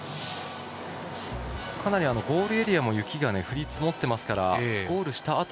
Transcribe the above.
かなりゴールエリアにも雪が降り積もってますからゴールした